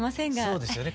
そうですよね。